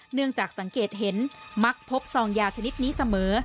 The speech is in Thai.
เนื่องจากสังเกตเห็นมักพบซองยาชนิดนี้เสมอ